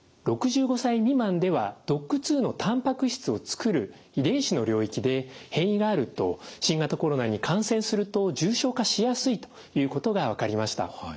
６５歳未満ではＤＯＣＫ２のたんぱく質を作る遺伝子の領域で変異があると新型コロナに感染すると重症化しやすいということが分かりました。